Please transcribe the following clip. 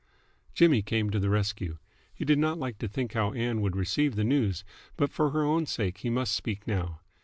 Jimmy came to the rescue. He did not like to think how Ann would receive the news, but for her own sake he must speak now.